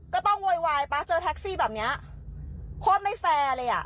โวยวายป่ะเจอแท็กซี่แบบเนี้ยโคตรไม่แฟร์เลยอ่ะ